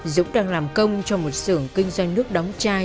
dũng đang làm công cho một xưởng kinh doanh nước đóng chai